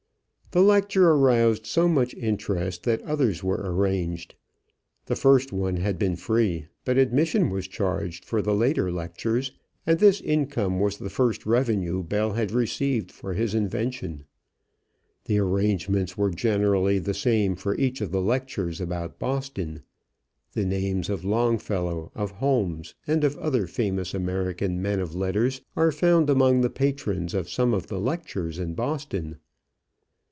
The lecture aroused so much interest that others were arranged. The first one had been free, but admission was charged for the later lectures and this income was the first revenue Bell had received for his invention. The arrangements were generally the same for each of the lectures about Boston. The names of Longfellow, of Holmes, and of other famous American men of letters are found among the patrons of some of the lectures in Boston.